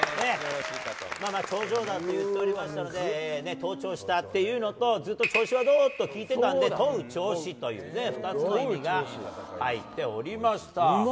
頂上だと言っておりましたので登頂したっていうのとずっと調子はどう？と聞いていたので問う調子という２つの意味が入っておりました。